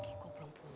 giko belum pulang sih